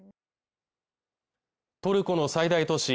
トルコの最大都市